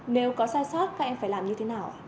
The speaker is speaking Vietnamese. nếu có sai sót các em phải làm như thế nào ạ